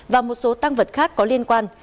và một số tăng vật khác có liên quan